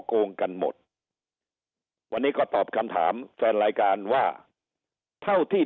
โกงกันหมดวันนี้ก็ตอบคำถามแฟนรายการว่าเท่าที่